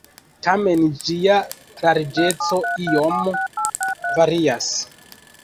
Tamen ĝia larĝeco iom varias.